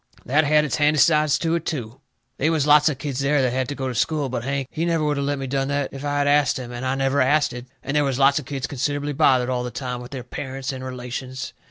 That had its handy sides to it, too. They was lots of kids there that had to go to school, but Hank, he never would of let me done that if I had ast him, and I never asted. And they was lots of kids considerably bothered all the time with their parents and relations.